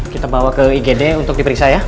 kita bawa ke igd untuk diperiksa ya